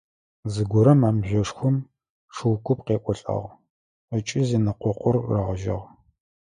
Зэгорэм а мыжъошхом шыу куп къекӏолӏагъ ыкӏи зэнэкъокъур рагъэжьагъ.